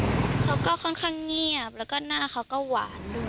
ไม่คะ